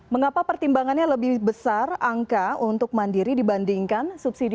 mengapa pertimbangannya lebih besar angka untuk mandiri dibandingkan subsidi